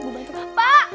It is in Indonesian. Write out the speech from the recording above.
bu bantu pak